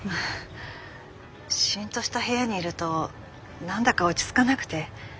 しんとした部屋にいると何だか落ち着かなくて。